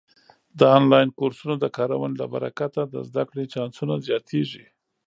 د آنلاین کورسونو د کارونې له برکته د زده کړې چانسونه زیاتېږي.